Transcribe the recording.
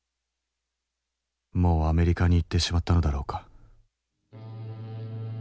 もうアメリカに行ってしまったのだろうか